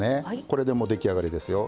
これでもう出来上がりですよ。